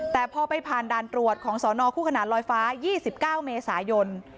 แต่พอไปผ่านด่านตรวจของสนคู่ขนาดลอยฟ้า๒๙เมษายน